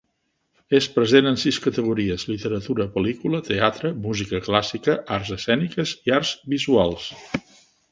És presentat en sis categories: literatura, pel·lícula, teatre, música clàssica, arts escèniques i arts visuals.